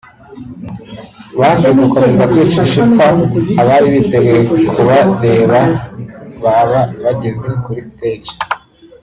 Banze gukomeza kwicisha ipfa abari biteguye kubareba baba bageze kuri stage